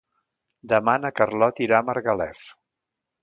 Demà na Carlota irà a Margalef.